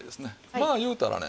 まあ言うたらね